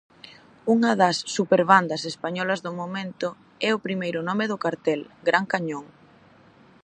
Unha das "superbandas" españolas do momento é o primeiro nome do cartel: Gran Cañón.